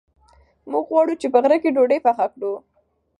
موږ غواړو چې په غره کې ډوډۍ پخه کړو.